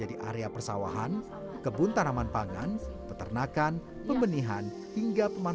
atau cara bagaimana untuk menjelaskan pempem bumps dis jupiter